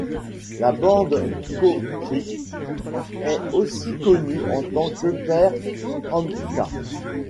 La bande Cow Creek est aussi connue en tant qu'Upper Umpqua.